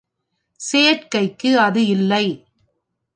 செயற்கைக்கு அது இல்லை.